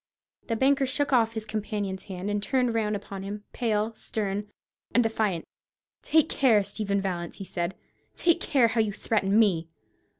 The banker shook off his companion's hand, and turned round upon him, pale, stern, and defiant. "Take care, Stephen Vallance," he said; "take care how you threaten me.